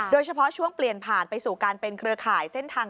โดยเฉพาะช่วงเปลี่ยนผ่านไปสู่การเป็นเครือข่ายเส้นทาง